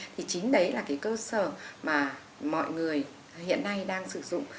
thì chính đấy là cái cơ sở mà mọi người hiện nay đang sử dụng